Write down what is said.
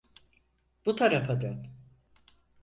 Bu tarafa dön.